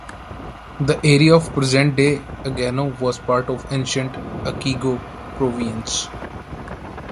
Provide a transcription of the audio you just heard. The area of present-day Agano was part of ancient Echigo Province.